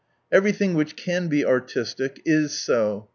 ^| Everything which can be artistic, is so.